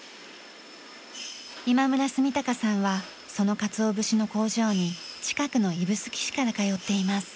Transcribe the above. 今村純孝さんはその鰹節の工場に近くの指宿市から通っています。